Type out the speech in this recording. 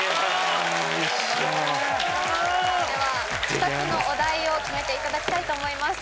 ２つのお題を決めていただきたいと思います